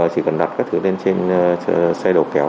chỉ cần đặt các thứ lên trên xe đầu kéo